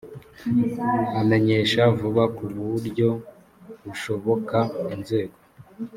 amenyesha vuba ku buryo bushoboka inzego